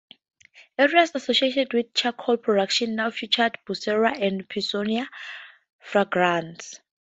Areas associated with charcoal production now feature "Bursera" and "Pisonia fragrans".